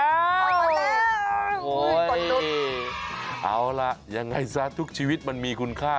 ออกมาแล้วโอ้ยเอาล่ะยังไงซะทุกชีวิตมันมีคุณค่า